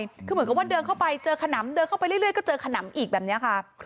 คือเหมือนกับว่าเดินเข้าไปเจอขนำเดินเข้าไปเรื่อย